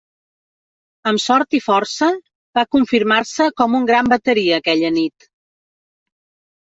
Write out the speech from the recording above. Amb sort i força va confirmar-se com un gran bateria aquella nit.